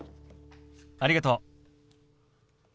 ありがとう。